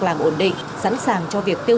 làm ổn định sẵn sàng cho việc tiêu